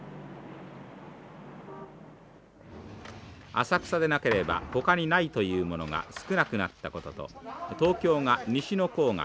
浅草でなければほかにないというものが少なくなったことと東京が西の郊外